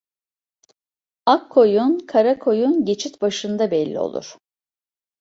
Ak koyun kara koyun geçit başında belli olur.